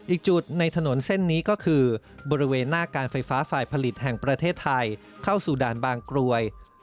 อีกจุดในถนนเส้นนี้ก็คือบริเวณหน้าการไฟฟ้าฝ่ายผลิตแห่งประเทศไทยเข้าสู่ด่านบางกรวย